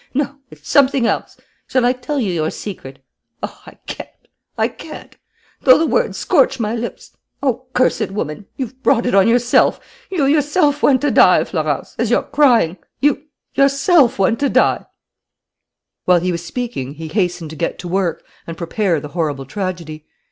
No, it's something else! Shall I tell you your secret? Oh, I can't, I can't though the words scorch my lips. Oh, cursed woman, you've brought it on yourself! You yourself want to die, Florence, as you're crying you yourself want to die " While he was speaking he hastened to get to work and prepare the horrible tragedy.